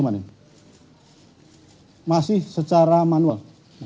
masih secara manual